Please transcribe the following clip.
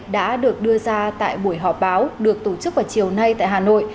đã được đưa ra tại buổi họp báo được tổ chức vào chiều nay tại hà nội